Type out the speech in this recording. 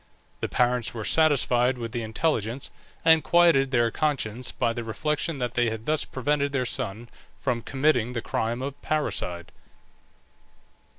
The parents were satisfied with the intelligence, and quieted their conscience by the reflection that they had thus prevented their son from committing the crime of parricide.